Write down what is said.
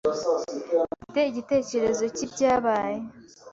Mfite igitekerezo cyibyabaye.